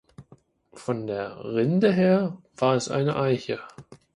Von der Rinde her war es eine Eiche.